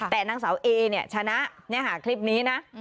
แต่นางสาวเอเนี่ยชนะคลิปนี้นะ